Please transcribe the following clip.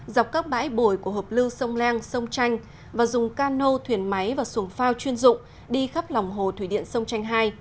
dọc các bãi bồi của hợp lưu sông leng sông tranh và dùng cano thuyền máy và xuồng phao chuyên dụng đi khắp lòng hồ thủy điện sông chanh hai